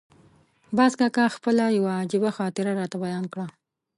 باز کاکا خپله یوه عجیبه خاطره راته بیان کړه.